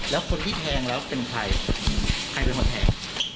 แล้วคนที่แทงแล้วเป็นใครใครเป็นคนแทง